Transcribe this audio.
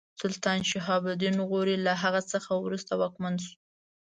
سلطان شهاب الدین غوري له هغه څخه وروسته واکمن شو.